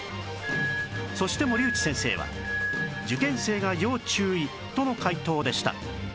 そして森内先生は受験生が要注意との回答でした